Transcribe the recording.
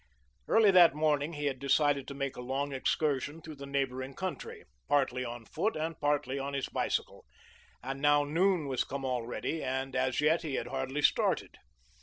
Early that morning he had decided to make a long excursion through the neighbouring country, partly on foot and partly on his bicycle, and now noon was come already, and as yet he had hardly started.